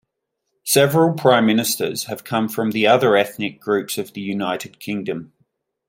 Several Prime Ministers have come from the other ethnic groups of the United Kingdom.